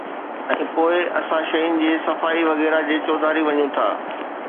۽ پوءِ اسان شين جي صفائي وغيره جي چوڌاري وڃون ٿا